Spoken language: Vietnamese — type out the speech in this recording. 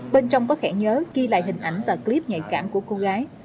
bên trong có khẹ nhớ ghi lại hình ảnh và clip nhạy cảm của cô gái